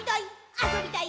あそびたい！